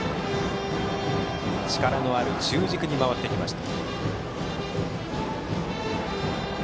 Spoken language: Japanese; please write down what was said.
力のある中軸に回ってきました。